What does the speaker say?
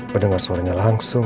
mendengar suaranya langsung